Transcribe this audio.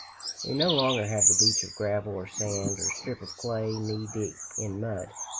We no longer have the beach of gravel or sand, or strip of clay knee deep in mud.